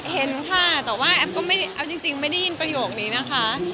อ๋อเห็นค่ะแต่ว่าแอฟก็ไม่ได้ยินประโยคนี้นะคะ